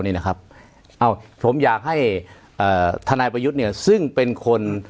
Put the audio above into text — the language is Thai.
เนี้ยนะครับอ้าวผมอยากให้เอ่อทนายปยุติเนี้ยซึ่งเป็นคน